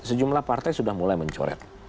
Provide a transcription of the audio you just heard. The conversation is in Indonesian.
sejumlah partai sudah mulai mencoret